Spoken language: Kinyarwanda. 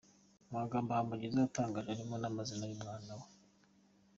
Amagambo Humble Jizzo yatangaje arimo n'amazina y'umwana we.